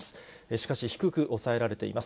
しかし、低く抑えられています。